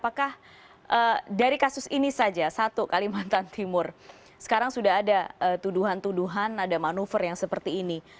apakah dari kasus ini saja satu kalimantan timur sekarang sudah ada tuduhan tuduhan ada manuver yang seperti ini